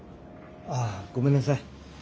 ああごめんなさい。